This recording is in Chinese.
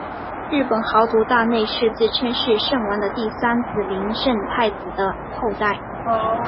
日本豪族大内氏自称是圣王的第三子琳圣太子的后代。